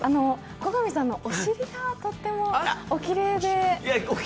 後上さんのお尻がとってもおきれいで。